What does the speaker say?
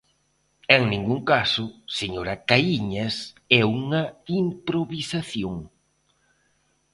E en ningún caso, señora Caíñas, é unha improvisación.